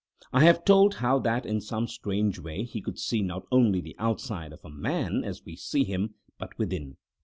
I have told how that in some strange way he could see not only the outside of a man as we see him, but within.